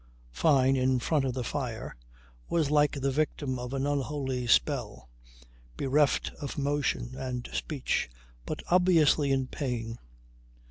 Fyne in front of the fire was like the victim of an unholy spell bereft of motion and speech but obviously in pain.